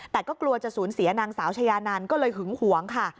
แต่ก็กลัวจะสูญเสียนางสาวชายานันก็เลยหึงหวงค่ะ